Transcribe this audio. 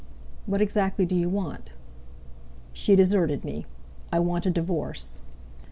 "What exactly do you want?" "She deserted me. I want a divorce."